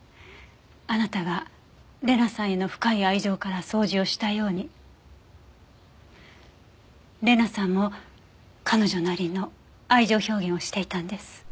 あなたが礼菜さんへの深い愛情から掃除をしたように礼菜さんも彼女なりの愛情表現をしていたんです。